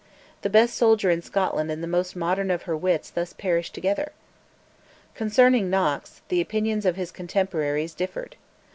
The best soldier in Scotland and the most modern of her wits thus perished together. Concerning Knox, the opinions of his contemporaries differed.